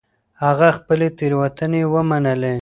هغه خپلې تېروتنې ومنلې.